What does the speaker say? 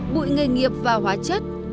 bụi nghề nghiệp và hóa chất